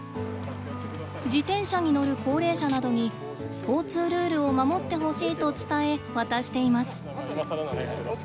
自転車に乗る高齢者などに交通ルールを守ってほしいと伝え渡しています。